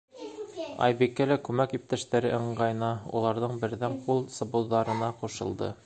Айбикә лә күмәк иптәштәре ыңғайына уларҙың берҙәм ҡул сабыуҙарына ҡушылды.